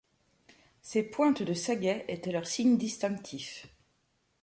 Ces pointes de sagaies étaient leur signe distinctif.